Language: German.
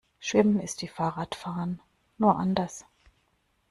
Schwimmen ist wie Fahrradfahren, nur anders.